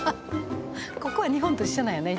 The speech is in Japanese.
ここは日本と一緒なんやね。